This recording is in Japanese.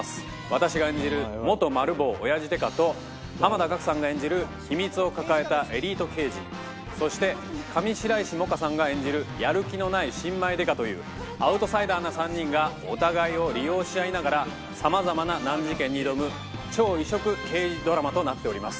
私が演じる元マル暴オヤジ刑事と濱田岳さんが演じる秘密を抱えたエリート刑事そして上白石萌歌さんが演じるやる気のない新米刑事というアウトサイダーな３人がお互いを利用し合いながら様々な難事件に挑む超異色刑事ドラマとなっております。